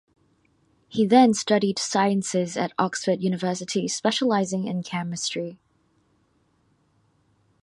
He then studied Sciences at Oxford University specialising in Chemistry.